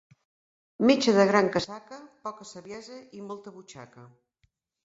Metge de gran casaca, poca saviesa i molta butxaca.